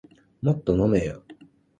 もっと飲めよ